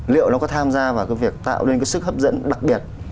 liệu nó có tham gia vào cái việc tạo nên cái sức hấp dẫn đặc biệt